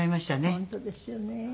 本当ですよね。